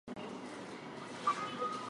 話す